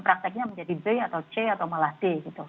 prakteknya menjadi b atau c atau malah d gitu